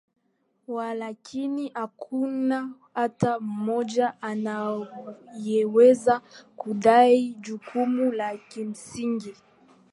Walakini hakuna hata mmoja anayeweza kudai jukumu la kimsingi